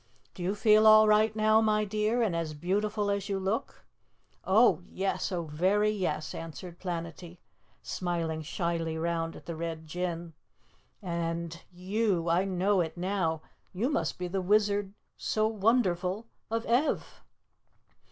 "Do you feel all right now, my dear, and as beautiful as you look?" "Oh, yes! Oh, very yes!" answered Planetty, smiling shyly round at the Red Jinn. "And you, I know it now, you must be the Wizard so wonderful of Ev?"